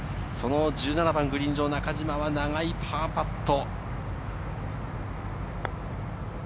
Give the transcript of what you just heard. １７番グリーン上の中島は長いパーパット。